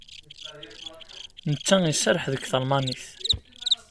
Netta iserreḥ deg talmanit.